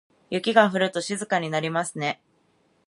雪が降ると静かになりますね。